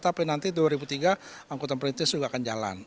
tapi nanti dua ribu tiga angkutan perintis juga akan jalan